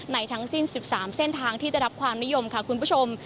ทั้งสิ้น๑๓เส้นทางที่จะรับความนิยมค่ะคุณผู้ชม